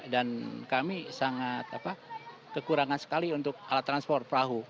dan kami sangat kekurangan sekali untuk alat transport perahu